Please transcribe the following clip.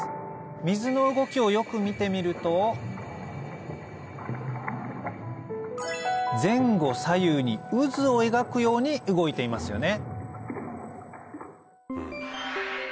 水の動きをよく見てみると前後左右に渦を描くように動いていますよね